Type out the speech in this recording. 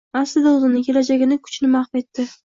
Aslida, oʻzini, kelajagini, kuchini mahv etdi